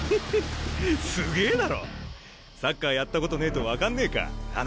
サッカーやったことねえと分かんねえか花。